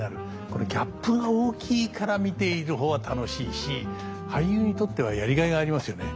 これギャップが大きいから見ている方は楽しいし俳優にとってはやりがいがありますよね。